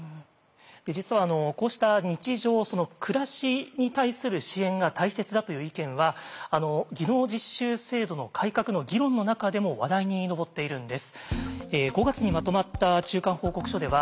実はこうした日常暮らしに対する支援が大切だという意見は技能実習制度の改革の議論の中でも話題に上っているんです。